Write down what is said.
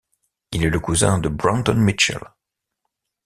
Il est le cousin de Brandon Mitchell.